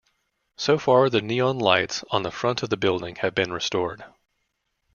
So far the neon lights on the front of the building have been restored.